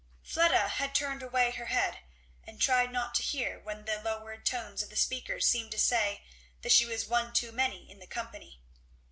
Fleda had turned away her head and tried not to hear when the lowered tones of the speakers seemed to say that she was one too many in the company.